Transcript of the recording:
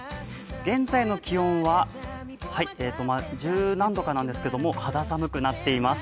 現在の気温は十何度かなんですけれども、肌寒くなっています。